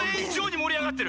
もりあがってる。